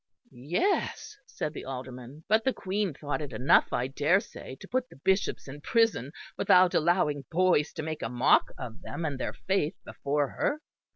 "Yes," said the Alderman, "but the Queen thought it enough, I dare say, to put the Bishops in prison, without allowing boys to make a mock of them and their faith before her."